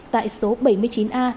tại số bảy mươi chín a